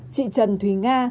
chị trần thùy nga